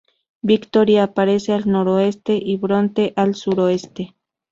Victory aparece al noroeste, y Brontë al suroeste.